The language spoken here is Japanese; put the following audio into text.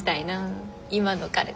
今の彼と。